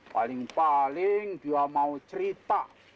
paling paling dia mau cerita